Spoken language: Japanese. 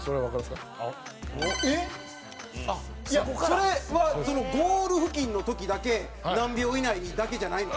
それは、ゴール付近の時だけ何秒以内にだけじゃないの？